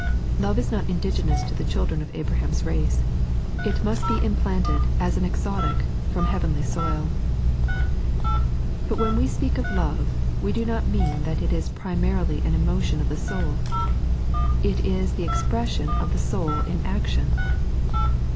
Love is not indigenous to the children of Adam's race; it must be implanted as an exotic from heavenly soil. But when we speak of Love, we do not mean that it is primarily an emotion of the soul ; it is the expression of 3.n.iized by Google Human, not Ditinb. 85 the soul in action.